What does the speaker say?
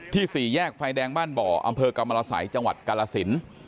สี่แยกไฟแดงบ้านบ่ออำเภอกรรมรสัยจังหวัดกาลสิน